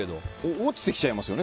落ちてきちゃいますよね。